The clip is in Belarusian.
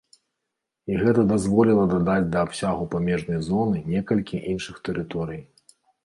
І гэта дазволіла дадаць да абсягу памежнай зоны некалькі іншых тэрыторый.